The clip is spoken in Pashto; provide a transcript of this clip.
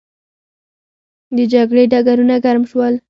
د جګړې ډګرونه ګرم شول.